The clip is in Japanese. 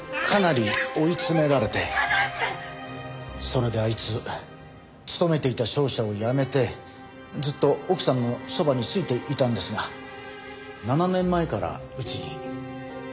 それであいつ勤めていた商社を辞めてずっと奥さんのそばについていたんですが７年前からうちに。